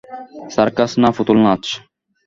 Circus না পুতুল নাচ?